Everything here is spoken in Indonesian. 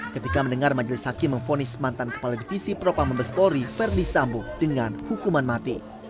ketika mendengar majelis hakim mengfonis mantan kepala divisi propang membespori ferdi sambu dengan hukuman mati